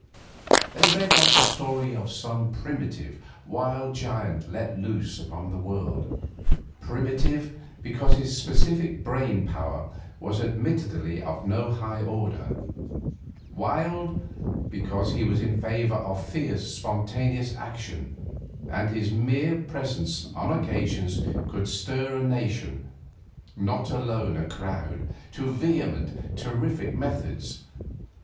They read like the story of some primitive, wild giant let loose upon the world primitive, because his specific brain power was admittedly of no high order; wild, because he was in favour of fierce, spontaneous action, and his mere presence, on occasions, could stir a nation, not alone a crowd, to vehement, terrific methods.